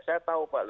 saya tahu pak